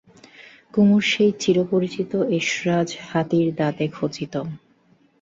কুমুর সেই চিরপরিচিত এসরাজ, হাতির দাঁতে খচিত।